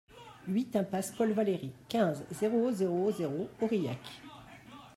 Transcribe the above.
huit impasse Paul Valery, quinze, zéro zéro zéro, Aurillac